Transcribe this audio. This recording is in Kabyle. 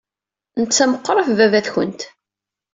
Netta meɣɣer ɣef baba-twen!